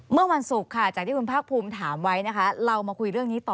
เมื่อวันศุกร์ค่ะจากที่คุณภาคภูมิถามไว้นะคะเรามาคุยเรื่องนี้ต่อ